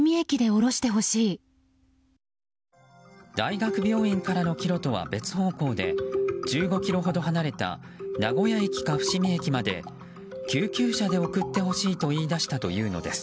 大学病院からの帰路とは別方向で１５ｋｍほど離れた名古屋駅か伏見駅まで救急車で送ってほしいと言い出したというのです。